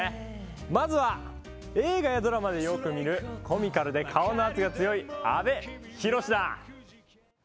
まずは映画やドラマでよく見るコミカルで顔の圧が強い阿部寛だ。